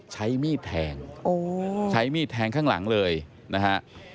ใช้มีดแทงใช้มีดแทงข้างหลังเลยนะฮะ